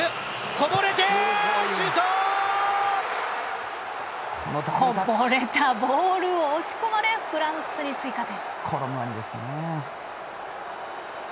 こぼれたボールを押し込まれ、フランスに追加点。